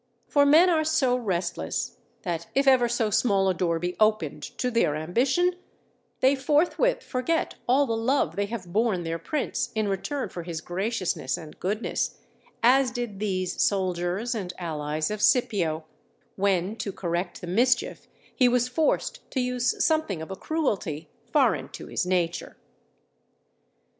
For men are so restless, that if ever so small a door be opened to their ambition, they forthwith forget all the love they have borne their prince in return for his graciousness and goodness, as did these soldiers and allies of Scipio; when, to correct the mischief, he was forced to use something of a cruelty foreign to his nature.